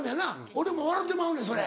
俺も笑うてまうねんそれ。